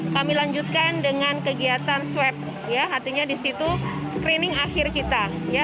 kami lanjutkan dengan kegiatan swab artinya di situ screening akhir kita